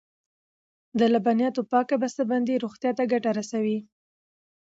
د لبنیاتو پاکه بسته بندي روغتیا ته ګټه رسوي.